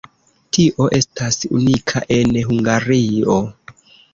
Tio estas unika en Hungario.